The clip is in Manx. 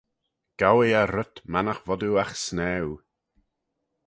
Gowee eh rhyt mannagh vod oo agh snaue.